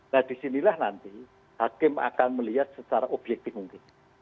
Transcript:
nah disinilah nanti hakim akan melihat secara objektif mungkin